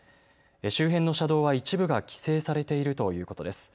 周辺の車道は一部が規制されているということです。